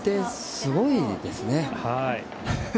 すごいです。